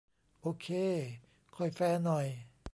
โอเค ค่อยแฟร์หน่อย